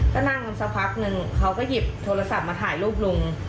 ก็นั่งสักพักนึงเขาก็หยิบโทรศัพท์มาถ่ายรูปลุง